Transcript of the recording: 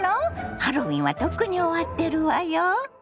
ハロウィーンはとっくに終わってるわよ。